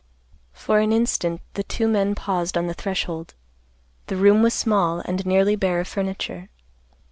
For an instant the two men paused on the threshold. The room was small, and nearly bare of furniture.